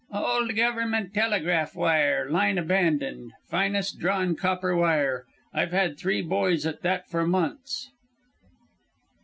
"Old government telegraph wire line abandoned finest drawn copper wire. I've had three boys at that for months."